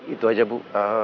itu aja bu